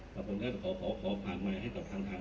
ผมจะขอผ่านใหม่ให้กับทางทาง